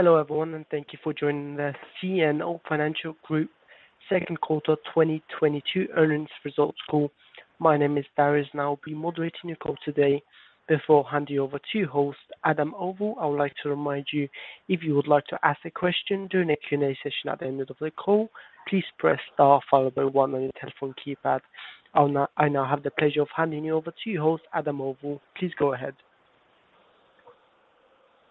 Hello everyone, and thank you for joining the CNO Financial Group second quarter 2022 earnings results call. My name is Darius, and I'll be moderating your call today. Before handing over to host, Adam Auvil, I would like to remind you if you would like to ask a question during the Q&A session at the end of the call, please press star followed by one on your telephone keypad. I now have the pleasure of handing you over to your host, Adam Auvil. Please go ahead.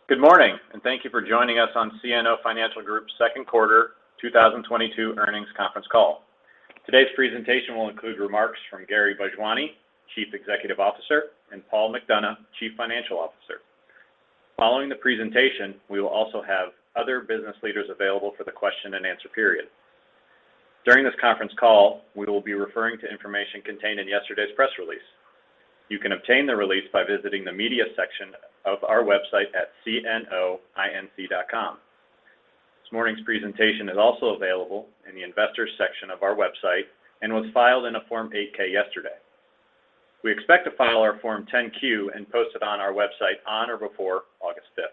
Good morning, and thank you for joining us on CNO Financial Group's second quarter 2022 earnings conference call. Today's presentation will include remarks from Gary Bhojwani, Chief Executive Officer, and Paul McDonough, Chief Financial Officer. Following the presentation, we will also have other business leaders available for the question and answer period. During this conference call, we will be referring to information contained in yesterday's press release. You can obtain the release by visiting the media section of our website at cnoinc.com. This morning's presentation is also available in the investors section of our website and was filed in a Form 8-K yesterday. We expect to file our Form 10-Q and post it on our website on or before August 5.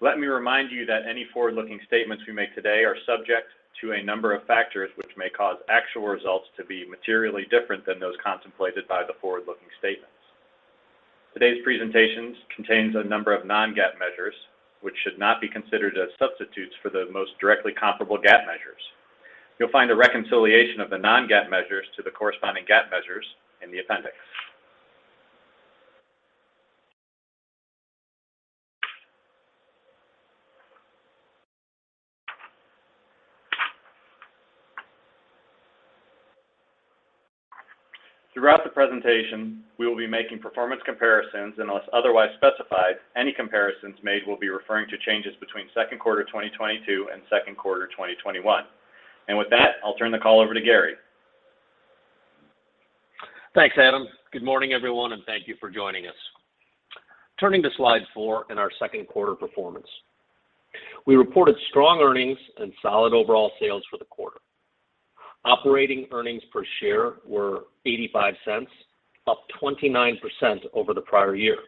Let me remind you that any forward-looking statements we make today are subject to a number of factors which may cause actual results to be materially different than those contemplated by the forward-looking statements. Today's presentation contains a number of non-GAAP measures, which should not be considered as substitutes for the most directly comparable GAAP measures. You'll find a reconciliation of the non-GAAP measures to the corresponding GAAP measures in the appendix. Throughout the presentation, we will be making performance comparisons, unless otherwise specified, any comparisons made will be referring to changes between second quarter 2022 and second quarter 2021. With that, I'll turn the call over to Gary. Thanks, Adam. Good morning, everyone, and thank you for joining us. Turning to slide 4 in our second quarter performance. We reported strong earnings and solid overall sales for the quarter. Operating earnings per share were $0.85, up 29% over the prior year.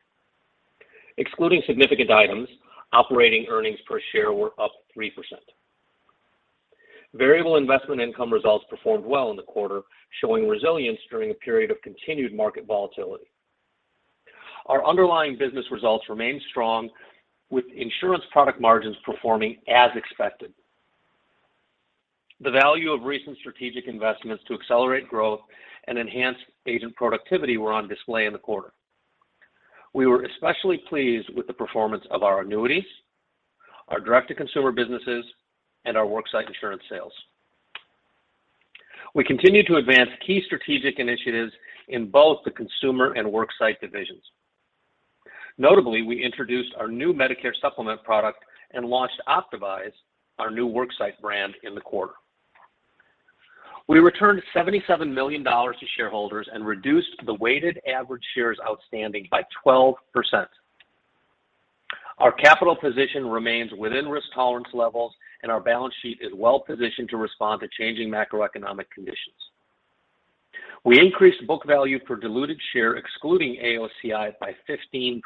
Excluding significant items, operating earnings per share were up 3%. Variable investment income results performed well in the quarter, showing resilience during a period of continued market volatility. Our underlying business results remained strong with insurance product margins performing as expected. The value of recent strategic investments to accelerate growth and enhance agent productivity were on display in the quarter. We were especially pleased with the performance of our annuities, our direct-to-consumer businesses, and our worksite insurance sales. We continue to advance key strategic initiatives in both the consumer and worksite divisions. Notably, we introduced our new Medicare Supplement product and launched Optavise, our new worksite brand, in the quarter. We returned $77 million to shareholders and reduced the weighted average shares outstanding by 12%. Our capital position remains within risk tolerance levels, and our balance sheet is well positioned to respond to changing macroeconomic conditions. We increased book value per diluted share, excluding AOCI, by 15%.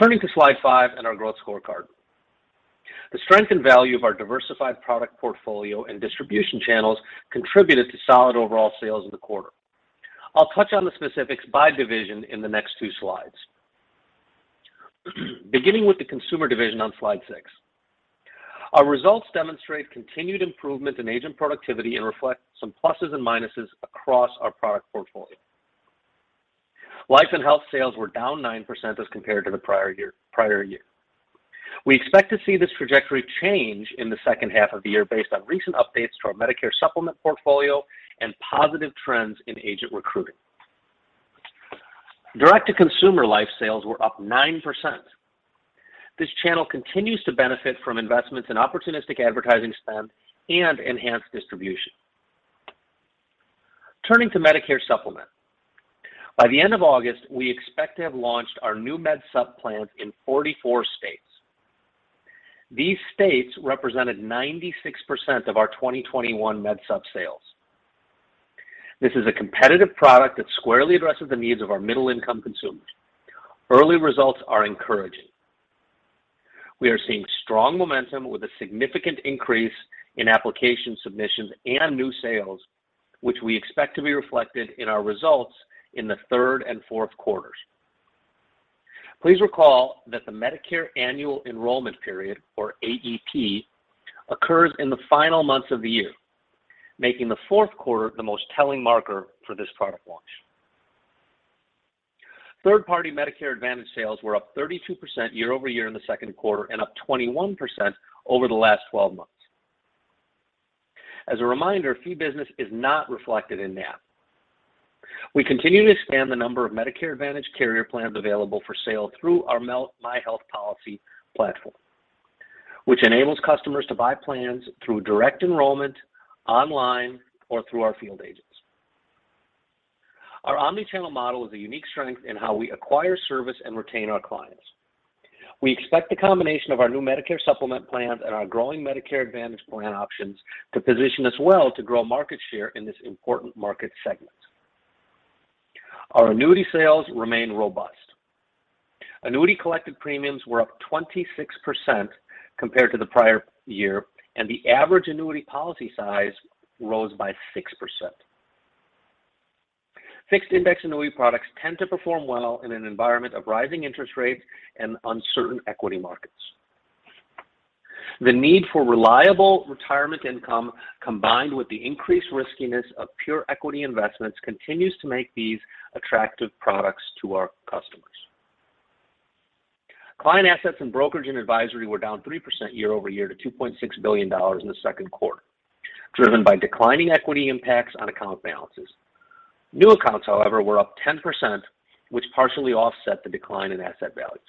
Turning to slide five and our growth scorecard. The strength and value of our diversified product portfolio and distribution channels contributed to solid overall sales in the quarter. I'll touch on the specifics by division in the next two slides. Beginning with the consumer division on slide six. Our results demonstrate continued improvement in agent productivity and reflect some pluses and minuses across our product portfolio. Life and Health sales were down 9% as compared to the prior year. We expect to see this trajectory change in the second half of the year based on recent updates to our Medicare Supplement portfolio and positive trends in agent recruiting. Direct-to-consumer life sales were up 9%. This channel continues to benefit from investments in opportunistic advertising spend and enhanced distribution. Turning to Medicare Supplement. By the end of August, we expect to have launched our new Med Sup plans in 44 states. These states represented 96% of our 2021 Med Sup sales. This is a competitive product that squarely addresses the needs of our middle-income consumers. Early results are encouraging. We are seeing strong momentum with a significant increase in application submissions and new sales, which we expect to be reflected in our results in the third and fourth quarters. Please recall that the Medicare Annual Enrollment Period, or AEP, occurs in the final months of the year, making the fourth quarter the most telling marker for this product launch. Third-party Medicare Advantage sales were up 32% year-over-year in the second quarter and up 21% over the last twelve months. As a reminder, fee business is not reflected in that. We continue to expand the number of Medicare Advantage carrier plans available for sale through our My Health Policy platform, which enables customers to buy plans through direct enrollment online or through our field agents. Our omni-channel model is a unique strength in how we acquire, service and retain our clients. We expect the combination of our new Medicare Supplement plans and our growing Medicare Advantage plan options to position us well to grow market share in this important market segment. Our annuity sales remain robust. Annuity collected premiums were up 26% compared to the prior year, and the average annuity policy size rose by 6%. Fixed index annuity products tend to perform well in an environment of rising interest rates and uncertain equity markets. The need for reliable retirement income, combined with the increased riskiness of pure equity investments, continues to make these attractive products to our customers. Client assets in brokerage and advisory were down 3% year-over-year to $2.6 billion in the second quarter, driven by declining equity impacts on account balances. New accounts, however, were up 10%, which partially offset the decline in asset values.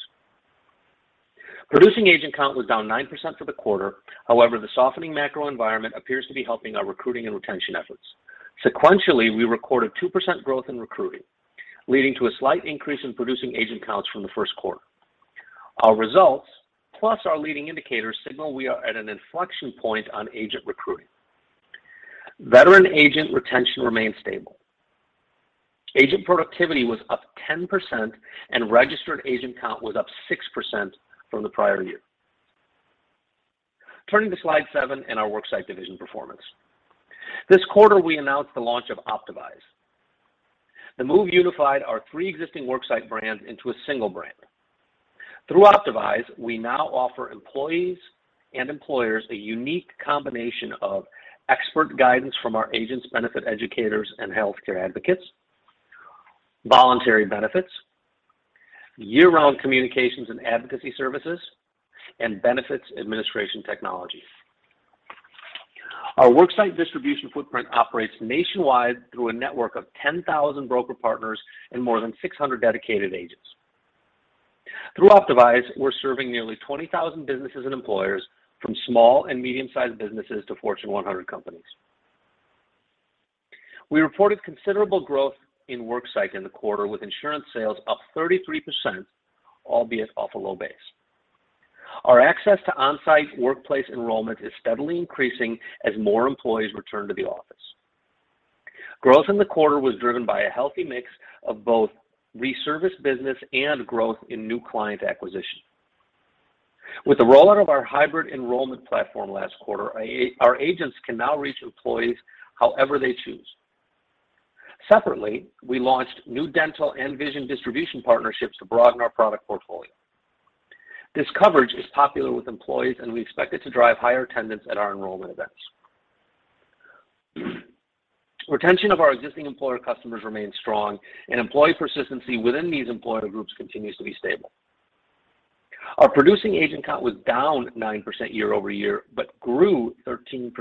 Producing agent count was down 9% for the quarter. However, the softening macro environment appears to be helping our recruiting and retention efforts. Sequentially, we recorded 2% growth in recruiting, leading to a slight increase in producing agent counts from the first quarter. Our results, plus our leading indicators signal we are at an inflection point on agent recruiting. Veteran agent retention remains stable. Agent productivity was up 10%, and registered agent count was up 6% from the prior year. Turning to slide 7 and our Worksite division performance. This quarter, we announced the launch of Optavise. The move unified our three existing Worksite brands into a single brand. Through Optavise, we now offer employees and employers a unique combination of expert guidance from our agents, benefit educators, and healthcare advocates, voluntary benefits, year-round communications and advocacy services, and benefits administration technology. Our Worksite distribution footprint operates nationwide through a network of 10,000 broker partners and more than 600 dedicated agents. Through Optavise, we're serving nearly 20,000 businesses and employers from small and medium-sized businesses to Fortune 100 companies. We reported considerable growth in Worksite in the quarter, with insurance sales up 33%, albeit off a low base. Our access to on-site workplace enrollment is steadily increasing as more employees return to the office. Growth in the quarter was driven by a healthy mix of both reservice business and growth in new client acquisition. With the rollout of our hybrid enrollment platform last quarter, our agents can now reach employees however they choose. Separately, we launched new dental and vision distribution partnerships to broaden our product portfolio. This coverage is popular with employees, and we expect it to drive higher attendance at our enrollment events. Retention of our existing employer customers remains strong, and employee persistency within these employer groups continues to be stable. Our producing agent count was down 9% year-over-year but grew 13%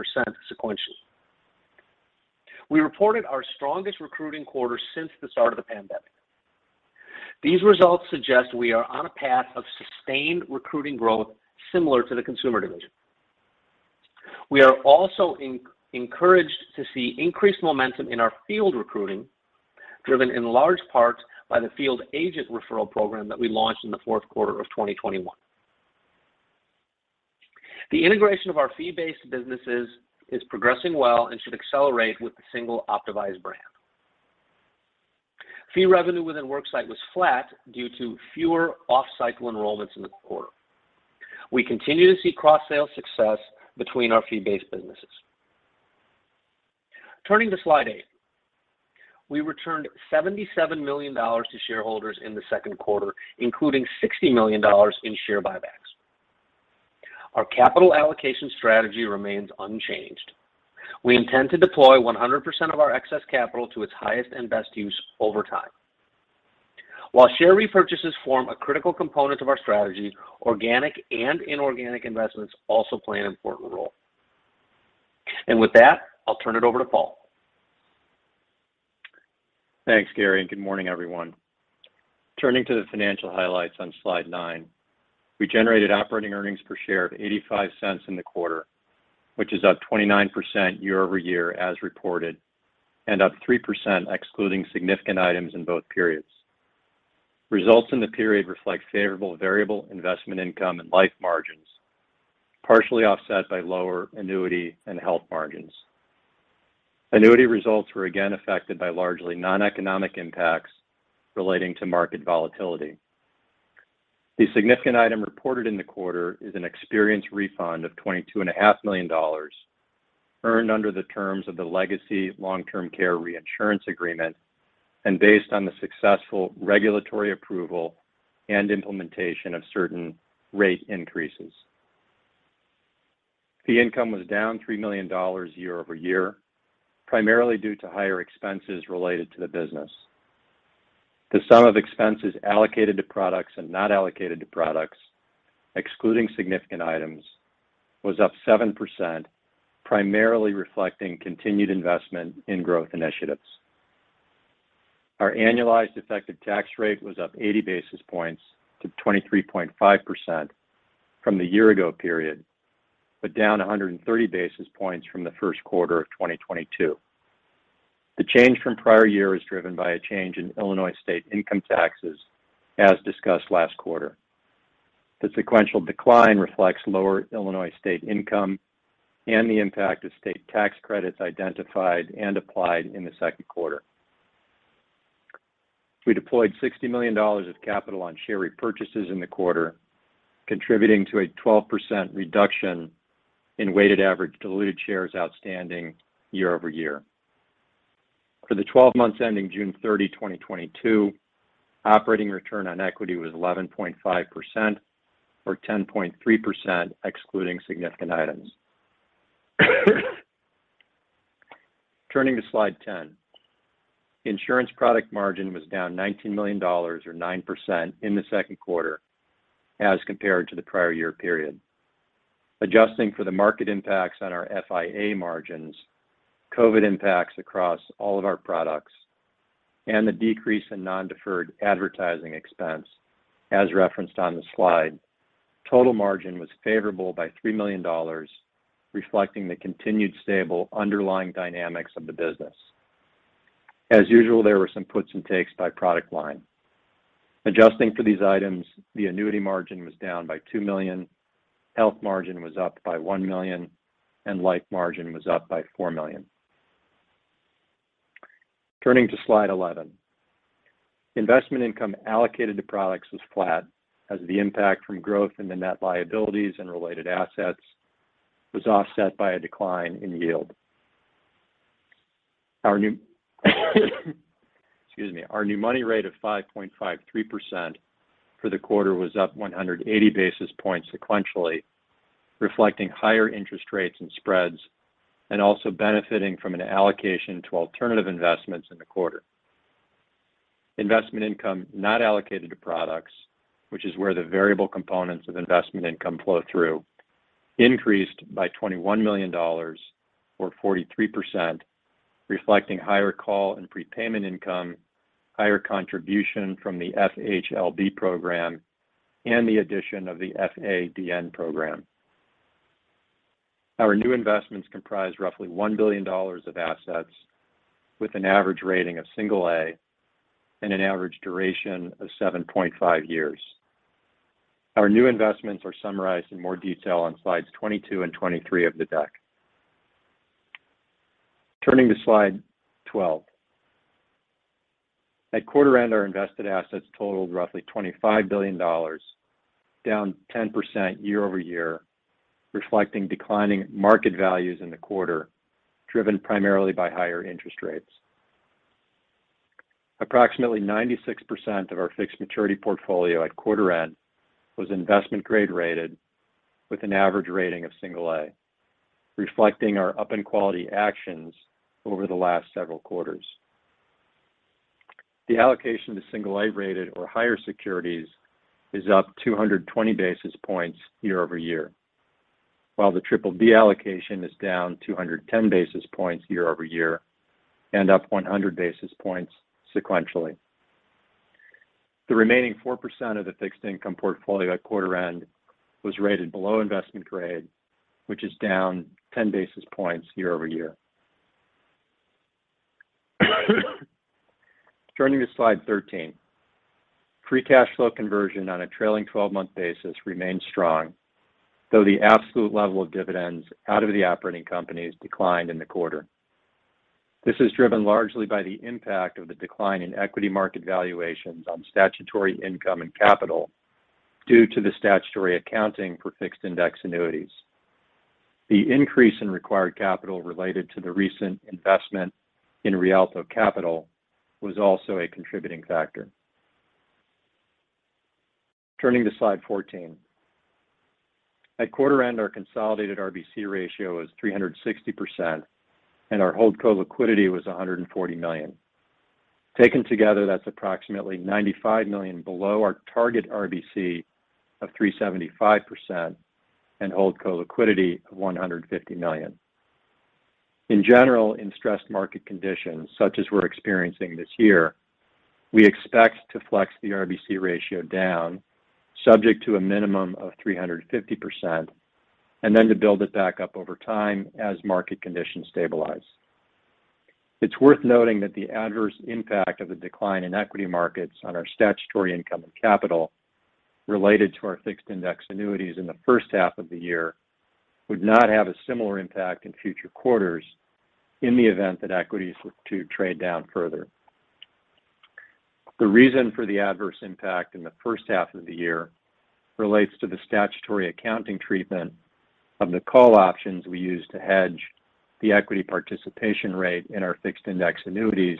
sequentially. We reported our strongest recruiting quarter since the start of the pandemic. These results suggest we are on a path of sustained recruiting growth similar to the Consumer division. We are also encouraged to see increased momentum in our field recruiting, driven in large part by the field agent referral program that we launched in the fourth quarter of 2021. The integration of our fee-based businesses is progressing well and should accelerate with the single Optavise brand. Fee revenue within Worksite was flat due to fewer off-cycle enrollments in the quarter. We continue to see cross-sale success between our fee-based businesses. Turning to slide 8. We returned $77 million to shareholders in the second quarter, including $60 million in share buybacks. Our capital allocation strategy remains unchanged. We intend to deploy 100% of our excess capital to its highest and best use over time. While share repurchases form a critical component of our strategy, organic and inorganic investments also play an important role. With that, I'll turn it over to Paul. Thanks, Gary, and good morning, everyone. Turning to the financial highlights on slide 9, we generated operating earnings per share of $0.85 in the quarter, which is up 29% year-over-year as reported and up 3% excluding significant items in both periods. Results in the period reflect favorable variable investment income and life margins, partially offset by lower annuity and health margins. Annuity results were again affected by largely non-economic impacts relating to market volatility. The significant item reported in the quarter is an experience refund of $22 and a half million earned under the terms of the legacy long-term care reinsurance agreement and based on the successful regulatory approval and implementation of certain rate increases. Fee income was down $3 million year-over-year, primarily due to higher expenses related to the business. The sum of expenses allocated to products and not allocated to products, excluding significant items, was up 7%, primarily reflecting continued investment in growth initiatives. Our annualized effective tax rate was up 80 basis points to 23.5% from the year ago period, but down 130 basis points from the first quarter of 2022. The change from prior year is driven by a change in Illinois state income taxes as discussed last quarter. The sequential decline reflects lower Illinois state income and the impact of state tax credits identified and applied in the second quarter. We deployed $60 million of capital on share repurchases in the quarter, contributing to a 12% reduction in weighted average diluted shares outstanding year-over-year. For the 12 months ending June 30, 2022, operating return on equity was 11.5% or 10.3% excluding significant items. Turning to slide 10. Insurance product margin was down $19 million or 9% in the second quarter as compared to the prior year period. Adjusting for the market impacts on our FIA margins, COVID impacts across all of our products, and the decrease in non-deferred advertising expense, as referenced on the slide, total margin was favorable by $3 million, reflecting the continued stable underlying dynamics of the business. As usual, there were some puts and takes by product line. Adjusting for these items, the annuity margin was down by $2 million, health margin was up by $1 million, and life margin was up by $4 million. Turning to slide 11. Investment income allocated to products was flat as the impact from growth in the net liabilities and related assets was offset by a decline in yield. Our new money rate of 5.53% for the quarter was up 180 basis points sequentially, reflecting higher interest rates and spreads, and also benefiting from an allocation to alternative investments in the quarter. Investment income not allocated to products, which is where the variable components of investment income flow through, increased by $21 million or 43%, reflecting higher call and prepayment income, higher contribution from the FHLB program, and the addition of the FABN program. Our new investments comprise roughly $1 billion of assets with an average rating of single A and an average duration of 7.5 years. Our new investments are summarized in more detail on slides 22 and 23 of the deck. Turning to slide 12. At quarter end, our invested assets totaled roughly $25 billion, down 10% year-over-year, reflecting declining market values in the quarter, driven primarily by higher interest rates. Approximately 96% of our fixed maturity portfolio at quarter end was investment grade rated with an average rating of single A, reflecting our up in quality actions over the last several quarters. The allocation to single A-rated or higher securities is up 220 basis points year-over-year, while the triple D allocation is down 210 basis points year-over-year and up 100 basis points sequentially. The remaining 4% of the fixed income portfolio at quarter end was rated below investment grade, which is down 10 basis points year-over-year. Turning to slide 13. Free cash flow conversion on a trailing 12-month basis remains strong, though the absolute level of dividends out of the operating companies declined in the quarter. This is driven largely by the impact of the decline in equity market valuations on statutory income and capital due to the statutory accounting for fixed index annuities. The increase in required capital related to the recent investment in Rialto Capital was also a contributing factor. Turning to slide 14. At quarter end, our consolidated RBC ratio was 360% and our hold co liquidity was $140 million. Taken together, that's approximately $95 million below our target RBC of 375% and holdco liquidity of $150 million. In general, in stressed market conditions, such as we're experiencing this year, we expect to flex the RBC ratio down subject to a minimum of 350%, and then to build it back up over time as market conditions stabilize. It's worth noting that the adverse impact of the decline in equity markets on our statutory income and capital related to our fixed index annuities in the first half of the year would not have a similar impact in future quarters in the event that equities were to trade down further. The reason for the adverse impact in the first half of the year relates to the statutory accounting treatment of the call options we use to hedge the equity participation rate in our fixed index annuities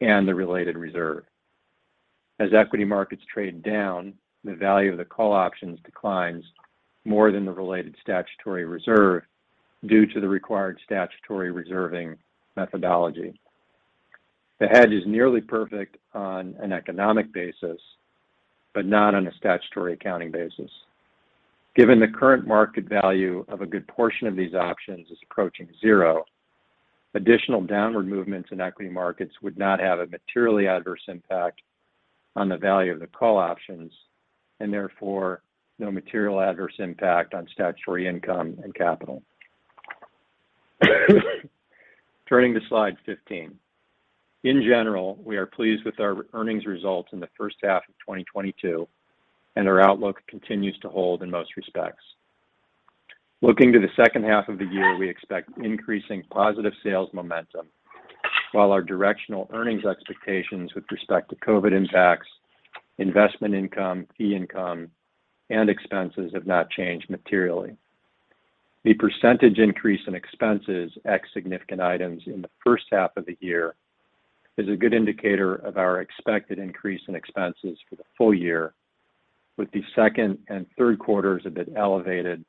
and the related reserve. As equity markets trade down, the value of the call options declines more than the related statutory reserve due to the required statutory reserving methodology. The hedge is nearly perfect on an economic basis, but not on a statutory accounting basis. Given the current market value of a good portion of these options is approaching zero, additional downward movements in equity markets would not have a materially adverse impact on the value of the call options, and therefore no material adverse impact on statutory income and capital. Turning to slide 15. In general, we are pleased with our earnings results in the first half of 2022, and our outlook continues to hold in most respects. Looking to the second half of the year, we expect increasing positive sales momentum while our directional earnings expectations with respect to COVID impacts, investment income, fee income, and expenses have not changed materially. The percentage increase in expenses, ex significant items in the first half of the year is a good indicator of our expected increase in expenses for the full year, with the second and third quarters a bit elevated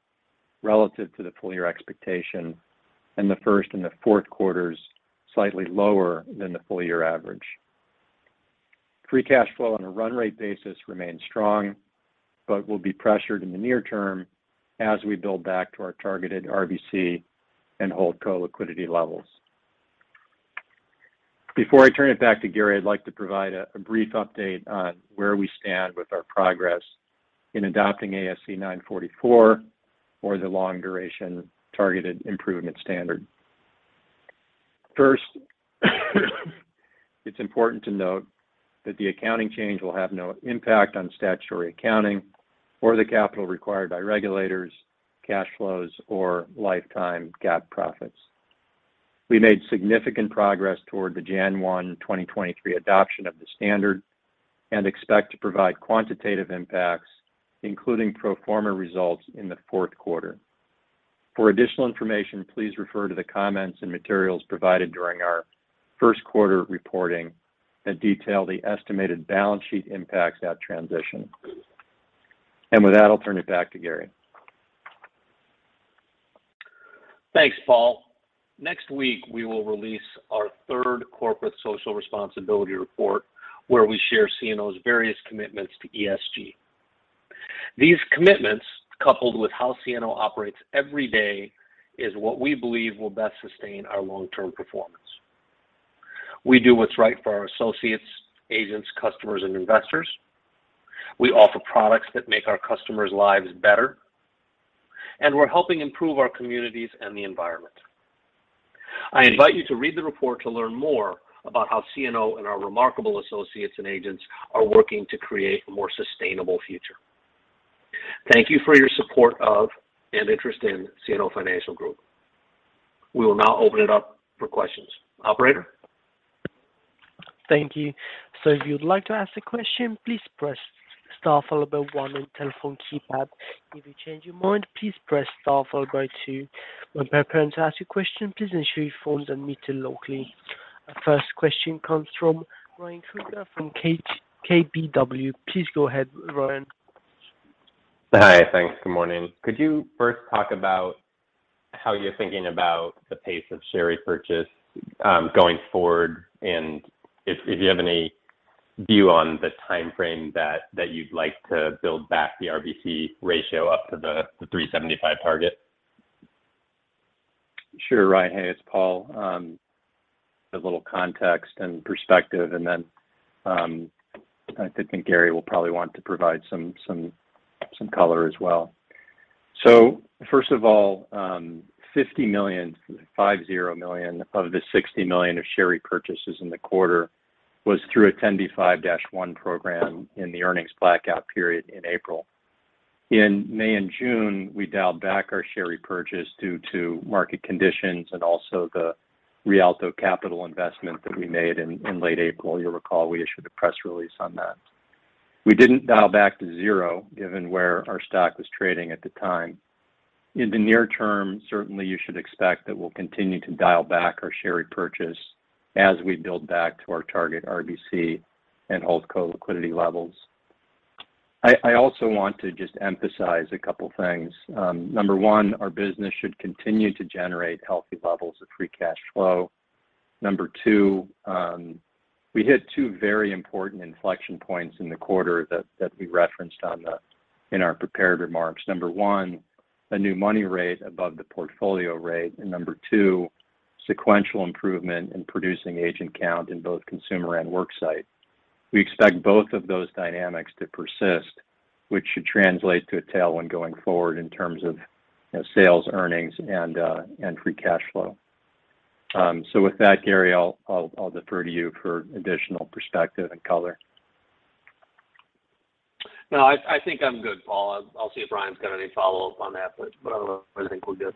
relative to the full year expectation, and the first and the fourth quarters slightly lower than the full year average. Free cash flow on a run rate basis remains strong, but will be pressured in the near term as we build back to our targeted RBC and holdco liquidity levels. Before I turn it back to Gary, I'd like to provide a brief update on where we stand with our progress in adopting ASC 944 or the long duration targeted improvement standard. First, it's important to note that the accounting change will have no impact on statutory accounting or the capital required by regulators, cash flows or lifetime GAAP profits. We made significant progress toward the January 1, 2023 adoption of the standard and expect to provide quantitative impacts, including pro forma results in the fourth quarter. For additional information, please refer to the comments and materials provided during our first quarter reporting that detail the estimated balance sheet impacts of that transition. With that, I'll turn it back to Gary. Thanks, Paul. Next week, we will release our third corporate social responsibility report, where we share CNO's various commitments to ESG. These commitments, coupled with how CNO operates every day, is what we believe will best sustain our long-term performance. We do what's right for our associates, agents, customers and investors. We offer products that make our customers' lives better. We're helping improve our communities and the environment. I invite you to read the report to learn more about how CNO and our remarkable associates and agents are working to create a more sustainable future. Thank you for your support of and interest in CNO Financial Group. We will now open it up for questions. Operator? Thank you. If you'd like to ask a question, please press star followed by one on telephone keypad. If you change your mind, please press star followed by two. When preparing to ask your question, please ensure your phone's unmuted locally. Our first question comes from Ryan Krueger from KBW. Please go ahead, Ryan. Hi. Thanks. Good morning. Could you first talk about how you're thinking about the pace of share repurchase going forward and if you have any view on the timeframe that you'd like to build back the RBC ratio up to the 375 target? Sure, Ryan. Hey, it's Paul. A little context and perspective, and then I think Gary will probably want to provide some color as well. First of all, $50 million, $50 million of the $60 million of share repurchases in the quarter was through a 10b5-1 program in the earnings blackout period in April. In May and June, we dialed back our share repurchase due to market conditions and also the Rialto Capital investment that we made in late April. You'll recall we issued a press release on that. We didn't dial back to zero given where our stock was trading at the time. In the near term, certainly you should expect that we'll continue to dial back our share repurchase as we build back to our target RBC and core liquidity levels. I also want to just emphasize a couple things. Number one, our business should continue to generate healthy levels of free cash flow. Number two, we hit two very important inflection points in the quarter that we referenced in our prepared remarks. Number one, a new money rate above the portfolio rate. Number two, sequential improvement in producing agent count in both consumer and worksite. We expect both of those dynamics to persist, which should translate to a tailwind going forward in terms of sales, earnings and free cash flow. With that, Gary, I'll defer to you for additional perspective and color. No, I think I'm good, Paul. I'll see if Ryan's got any follow-up on that, but other than that, I think we're good. Okay. Sounds good.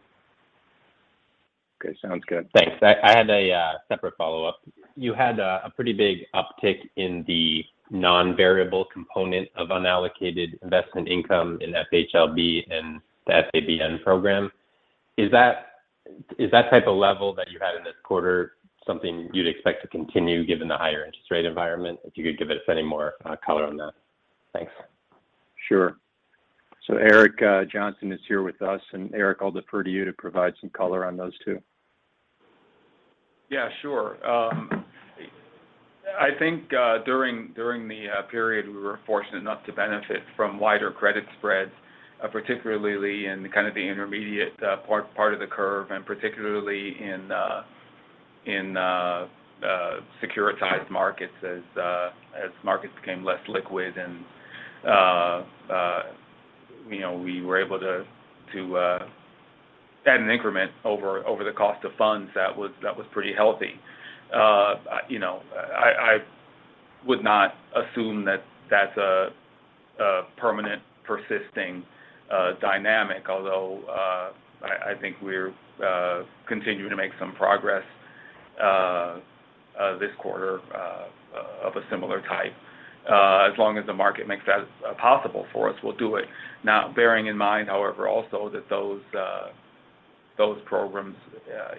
Thanks. I had a separate follow-up. You had a pretty big uptick in the non-variable component of unallocated investment income in FHLB and the FABN program. Is that type of level that you had in this quarter something you'd expect to continue given the higher interest rate environment? If you could give us any more color on that. Thanks. Sure. Eric Johnson is here with us, and Eric I'll defer to you to provide some color on those two. Yeah, sure. I think during the period, we were fortunate enough to benefit from wider credit spreads, particularly in kind of the intermediate part of the curve and particularly in securitized markets as markets became less liquid and you know, we were able to add an increment over the cost of funds that was pretty healthy. You know, I would not assume that that's a permanent persisting dynamic although I think we're continuing to make some progress this quarter of a similar type. As long as the market makes that possible for us, we'll do it. Now, bearing in mind, however also that those programs,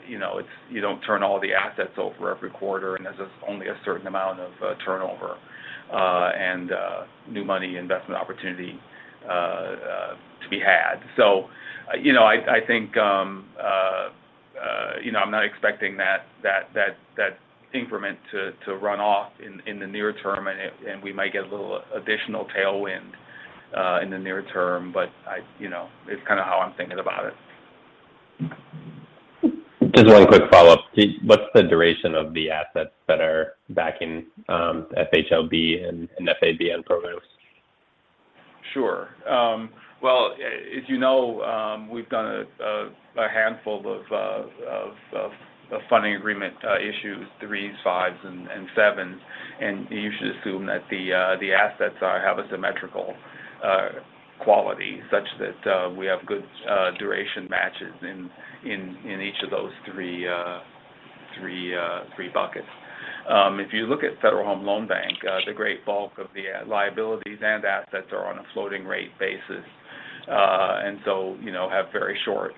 you know, you don't turn all the assets over every quarter, and there's just only a certain amount of turnover, and new money investment opportunity to be had. I think, you know, I'm not expecting that increment to run off in the near term, and we might get a little additional tailwind in the near term. You know, it's kind of how I'm thinking about it. Just one quick follow-up. What's the duration of the assets that are backing FHLB and FABN programs? Sure. Well, as you know, we've done a handful of funding agreement issues, threes, fives and sevens. You should assume that the assets have a symmetrical quality such that we have good duration matches in each of those three buckets. If you look at Federal Home Loan Bank, the great bulk of the liabilities and assets are on a floating rate basis, and so you know have very short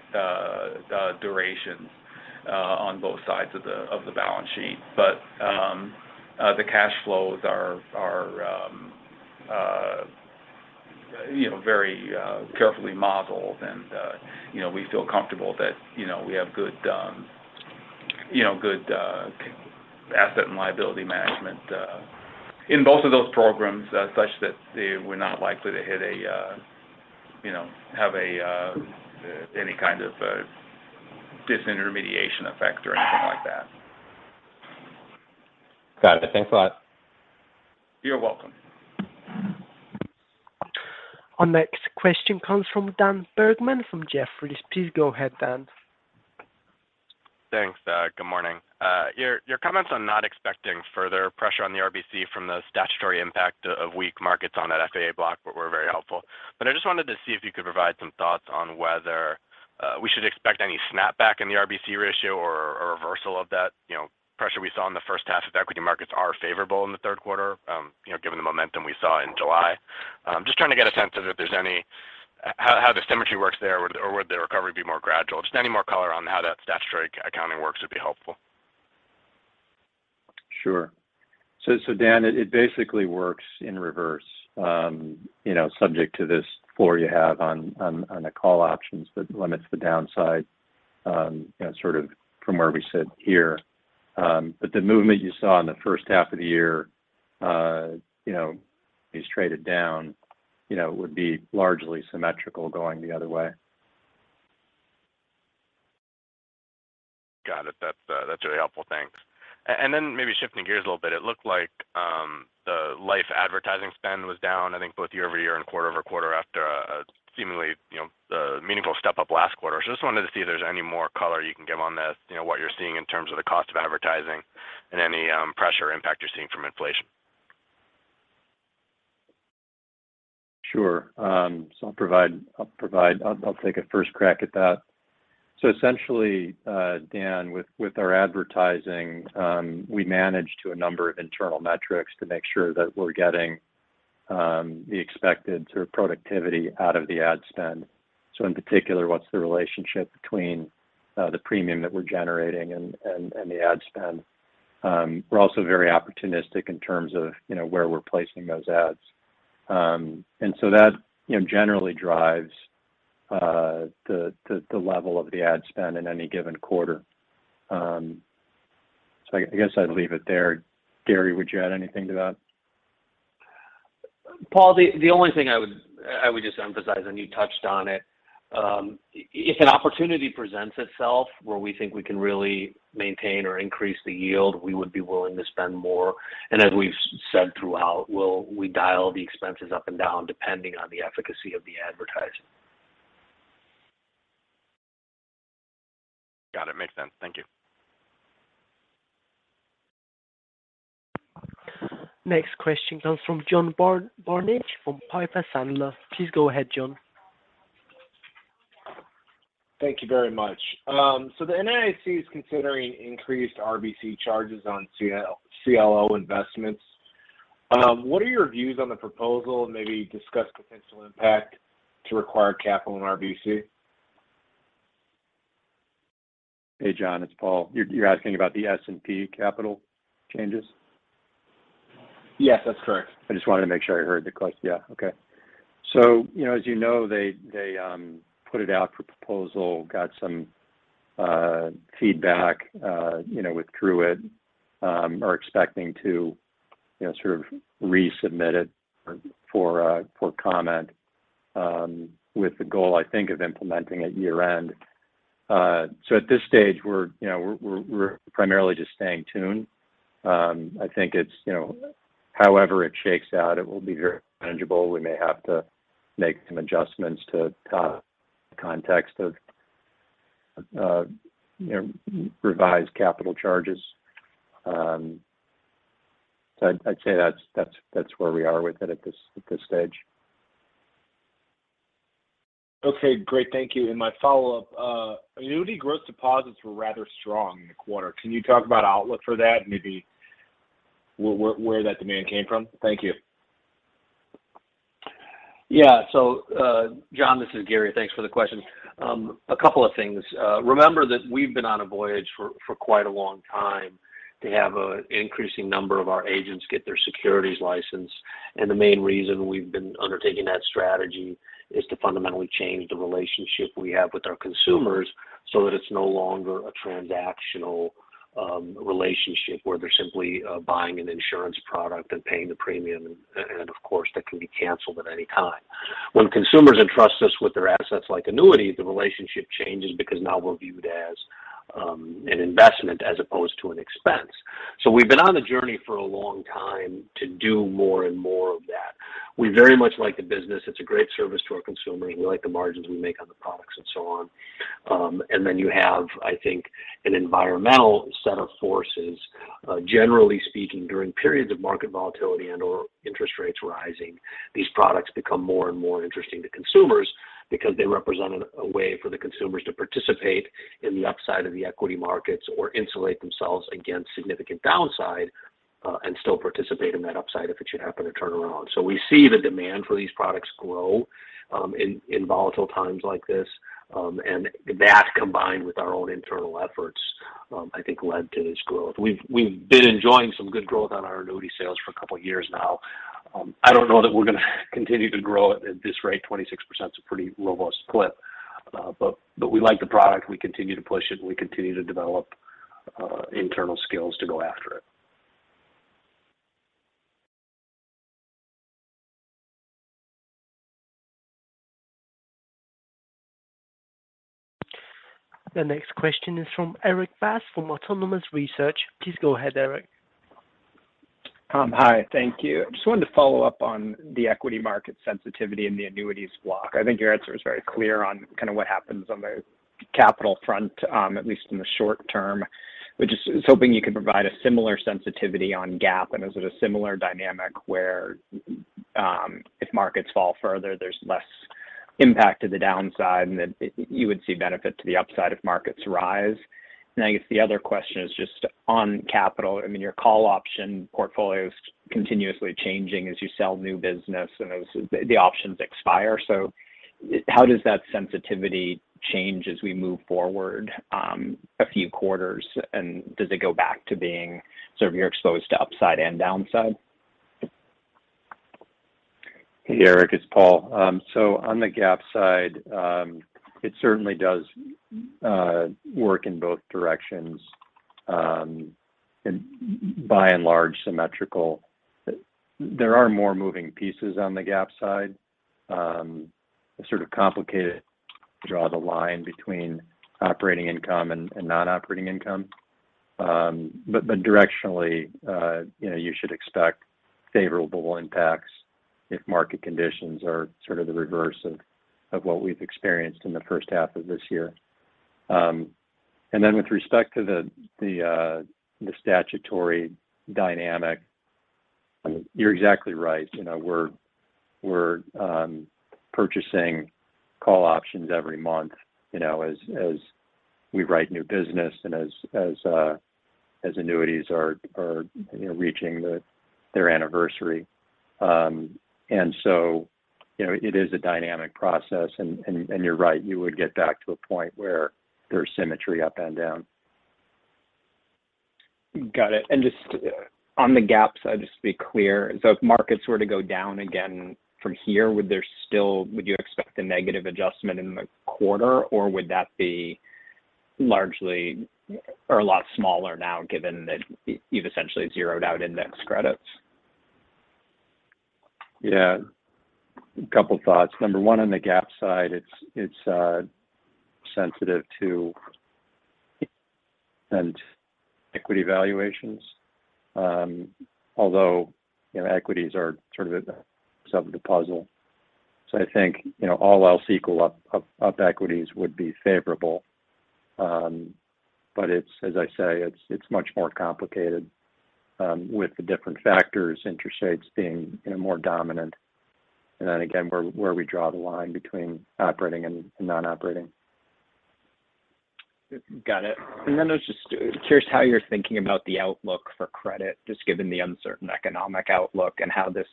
durations on both sides of the balance sheet. The cash flows are, you know, very carefully modeled and, you know, we feel comfortable that, you know, we have good, you know, good asset and liability management in both of those programs such that they were not likely to, you know, have any kind of disintermediation effect or anything like that. Got it. Thanks a lot. You're welcome. Our next question comes from Daniel Bergman from Jefferies. Please go ahead, Dan. Thanks. Good morning. Your comments on not expecting further pressure on the RBC from the statutory impact of weak markets on that FIA block were very helpful. I just wanted to see if you could provide some thoughts on whether we should expect any snapback in the RBC ratio or reversal of that, you know, pressure we saw in the first half if equity markets are favorable in the third quarter, given the momentum we saw in July. Just trying to get a sense of if there's how the symmetry works there or would the recovery be more gradual? Just any more color on how that statutory accounting works would be helpful. Sure. Dan, it basically works in reverse, you know, subject to this floor you have on the call options that limits the downside, you know, sort of from where we sit here. The movement you saw in the first half of the year, you know, is traded down, you know, would be largely symmetrical going the other way. Got it. That's really helpful. Thanks. Maybe shifting gears a little bit, it looked like the life advertising spend was down, I think both year-over-year and quarter-over-quarter after a seemingly, you know, meaningful step up last quarter. Just wanted to see if there's any more color you can give on the, you know, what you're seeing in terms of the cost of advertising and any pressure impact you're seeing from inflation. Sure. I'll take a first crack at that. Essentially, Dan, with our advertising, we manage to a number of internal metrics to make sure that we're getting the expected sort of productivity out of the ad spend. In particular, what's the relationship between the premium that we're generating and the ad spend. We're also very opportunistic in terms of, you know, where we're placing those ads. And that, you know, generally drives the level of the ad spend in any given quarter. I guess I'd leave it there. Gary, would you add anything to that? Paul, the only thing I would just emphasize, and you touched on it, if an opportunity presents itself where we think we can really maintain or increase the yield, we would be willing to spend more. As we've said throughout, we dial the expenses up and down depending on the efficacy of the advertising. Got it. Makes sense. Thank you. Next question comes from John Barnidge from Piper Sandler. Please go ahead, John. Thank you very much. The NAIC is considering increased RBC charges on CLO investments. What are your views on the proposal? Maybe discuss potential impact on required capital in RBC. Hey, John, it's Paul. You're asking about the NAIC capital changes? Yes, that's correct. I just wanted to make sure I heard yeah. Okay. You know, as you know, they put it out for proposal, got some feedback, you know, withdrew it. Are expecting to, you know, sort of resubmit it for comment, with the goal, I think, of implementing at year-end. At this stage, you know, we're primarily just staying tuned. I think it's, you know. However it shakes out, it will be very manageable. We may have to make some adjustments in the context of, you know, revised capital charges. I'd say that's where we are with it at this stage. Okay, great. Thank you. My follow-up, annuity growth deposits were rather strong in the quarter. Can you talk about outlook for that, maybe where that demand came from? Thank you. Yeah. So, John, this is Gary. Thanks for the question. A couple of things. Remember that we've been on a voyage for quite a long time to have an increasing number of our agents get their securities license. The main reason we've been undertaking that strategy is to fundamentally change the relationship we have with our consumers so that it's no longer a transactional relationship where they're simply buying an insurance product and paying the premium, and of course, that can be canceled at any time. When consumers entrust us with their assets like annuity, the relationship changes because now we're viewed as an investment as opposed to an expense. We've been on the journey for a long time to do more and more of that. We very much like the business. It's a great service to our consumer, and we like the margins we make on the products and so on. Then you have, I think, an environmental set of forces. Generally speaking, during periods of market volatility and/or interest rates rising, these products become more and more interesting to consumers because they represent a way for the consumers to participate in the upside of the equity markets or insulate themselves against significant downside, and still participate in that upside if it should happen to turn around. We see the demand for these products grow in volatile times like this. That, combined with our own internal efforts, I think led to this growth. We've been enjoying some good growth on our annuity sales for a couple of years now. I don't know that we're gonna continue to grow at this rate. 26% is a pretty robust clip. We like the product, we continue to push it, and we continue to develop internal skills to go after it. The next question is from Erik Bass from Autonomous Research. Please go ahead, Eric. Hi. Thank you. I just wanted to follow up on the equity market sensitivity in the annuities block. I think your answer is very clear on kind of what happens on the capital front, at least in the short term. Just was hoping you could provide a similar sensitivity on GAAP, and is it a similar dynamic where, if markets fall further, there's less impact to the downside and that you would see benefit to the upside if markets rise? I guess the other question is just on capital. I mean, your call option portfolio is continuously changing as you sell new business and as the options expire. How does that sensitivity change as we move forward, a few quarters? Does it go back to being sort of you're exposed to upside and downside? Hey, Erik, it's Paul. On the GAAP side, it certainly does work in both directions, and by and large, symmetrical. There are more moving pieces on the GAAP side. It's sort of complicated to draw the line between operating income and non-operating income. Directionally, you know, you should expect favorable impacts if market conditions are sort of the reverse of what we've experienced in the first half of this year. With respect to the statutory dynamic, you're exactly right. You know, we're purchasing call options every month, you know, as we write new business and as annuities are reaching their anniversary. You know, it is a dynamic process. You're right, you would get back to a point where there's symmetry up and down. Got it. Just on the GAAP side, just to be clear, so if markets were to go down again from here, would you expect a negative adjustment in the quarter, or would that be largely or a lot smaller now, given that you've essentially zeroed out index credits? Yeah. A couple thoughts. Number one, on the GAAP side, it's sensitive to equity valuations. Although, you know, equities are sort of a sub of the puzzle. I think, you know, all else equal, up equities would be favorable. But it's, as I say, much more complicated with the different factors, interest rates being, you know, more dominant. Then again, where we draw the line between operating and non-operating. Got it. I was just curious how you're thinking about the outlook for credit, just given the uncertain economic outlook and how this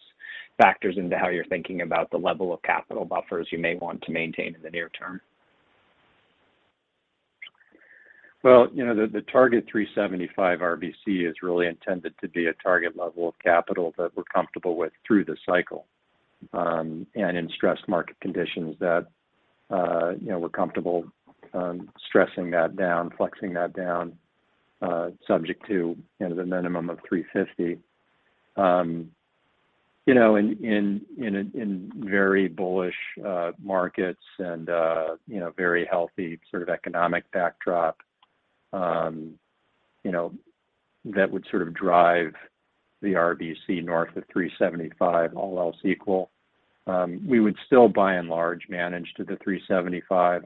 factors into how you're thinking about the level of capital buffers you may want to maintain in the near term. Well, you know, the target 375 RBC is really intended to be a target level of capital that we're comfortable with through the cycle, and in stressed market conditions that you know we're comfortable stressing that down, flexing that down. Subject to you know the minimum of 350. You know, in a very bullish markets and you know very healthy sort of economic backdrop you know that would sort of drive the RBC north of 375, all else equal. We would still by and large manage to the 375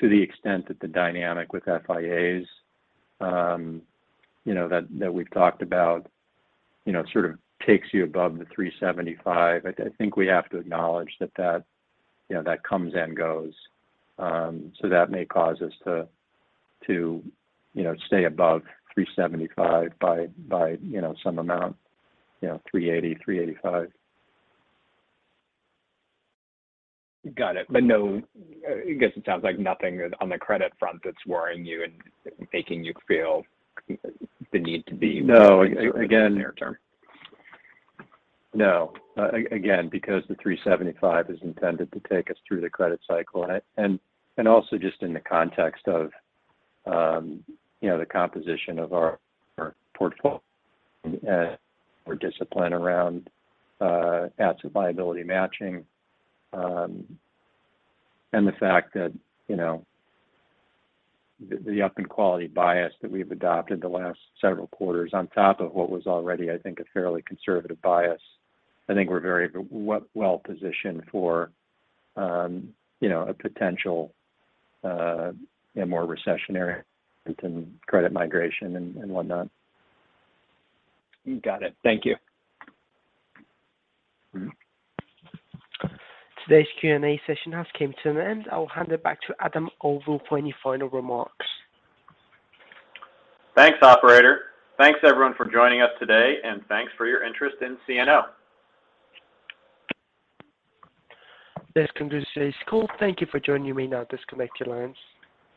to the extent that the dynamic with FIAs you know that we've talked about you know sort of takes you above the 375. I think we have to acknowledge that you know that comes and goes. That may cause us to, you know, stay above 375 by, you know, some amount, you know, 380, 385. Got it. I guess it sounds like nothing on the credit front that's worrying you and making you feel the need to be. No. Again. -near-term. No. Again, because the $375 is intended to take us through the credit cycle. Also just in the context of, you know, the composition of our portfolio, our discipline around asset liability matching, and the fact that, you know, the up in quality bias that we've adopted the last several quarters on top of what was already, I think, a fairly conservative bias. I think we're very well positioned for, you know, a potential, you know, more recessionary credit migration and whatnot. Got it. Thank you. Today's Q&A session has come to an end. I will hand it back to Adam Auvil for any final remarks. Thanks, operator. Thanks everyone for joining us today, and thanks for your interest in CNO. This concludes today's call. Thank you for joining me. Now disconnect your lines.